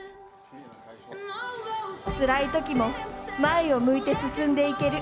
つらい時も前を向いて進んでいける。